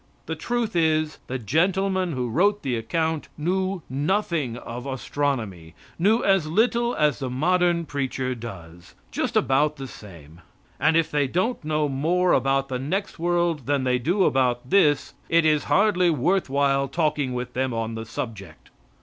The truth is, the gentleman who wrote the account knew nothing of astronomy knew as little as the modern preacher does just about the same; and if they don't know more about the next world than they do about this, it is hardly worth while talking with them on the subject.